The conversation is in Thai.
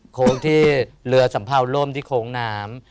โค้งที่เรือสัมเภาล่มที่โค้งน้ำ